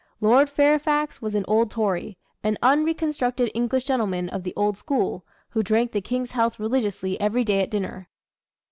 Lord Fairfax was an old Tory, an unreconstructed English gentleman of the old school, who drank the King's health religiously every day at dinner.